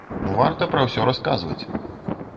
Варта пра ўсё расказваць.